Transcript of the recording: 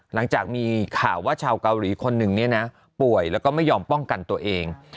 หลังจากมีข่าวว่าชาวเกาหลีคนหนึ่งเนี่ยนะป่วยแล้วก็ไม่ยอมป้องกันตัวเอง